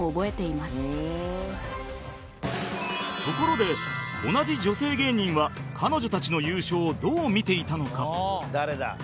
ところで同じ女性芸人は彼女たちの優勝をどう見ていたのか？